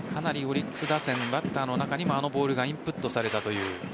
かなりオリックス打線バッターの方にもあのボールがインプットされたという。